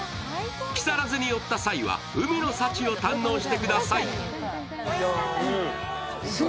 木更津に寄った際は海の幸を堪能してください。